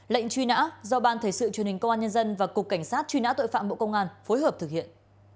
lệnh truy nã do ban thể sự truyền hình công an nhân dân và cục cảnh sát truy nã tội phạm bộ công an phối hợp thực hiện